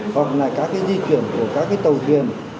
hoặc là các di chuyển của các tàu thuyền